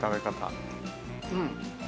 うん。